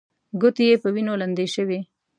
ګوتې يې په وينو لندې شوې.